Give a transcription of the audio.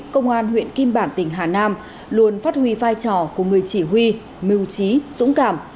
công an huyện kim bảng tỉnh hà nam luôn phát huy vai trò của người chỉ huy mưu trí dũng cảm